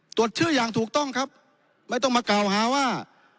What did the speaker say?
ตรวจชื่ออย่างถูกต้องครับไม่ต้องมากล่าวหาว่า